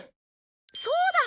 そうだ！